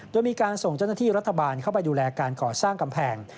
โดยมีการส่งเจ้าหน้าที่รัฐบาลเข้าไปดูแลการก่อสร้างกำแพง